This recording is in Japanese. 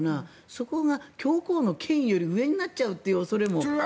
そこが教皇の権威より上になっちゃうという恐れも。